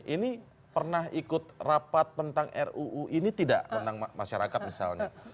ini pernah ikut rapat tentang ruu ini tidak tentang masyarakat misalnya